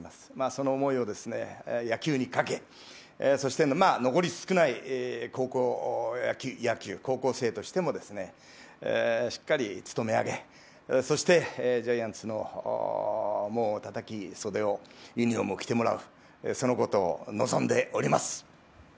その思いを野球にかけ残り少ない高校野球、高校生としてもしっかり務め上げ、そしてジャイアンツの門をたたき、袖を、ユニフォームを着てもらう、そのことを望んでおります。